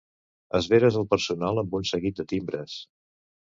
Esveres el personal amb un seguit de timbres.